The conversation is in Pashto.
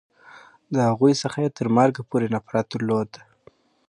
د هغوی څخه یې تر مرګه پورې نفرت درلود.